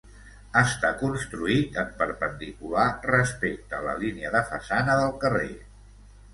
Està construït en perpendicular respecte a la línia de façana del carrer.